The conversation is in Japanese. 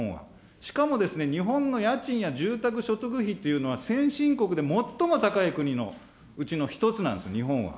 しかも日本の家賃や住宅所得費というのは、先進国で最も高い国のうちの１つなんです、日本は。